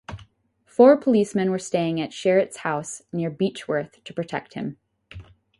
Four policemen were staying at Sherritt's house, near Beechworth, to protect him.